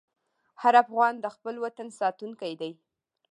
هر افغان د خپل وطن ساتونکی دی.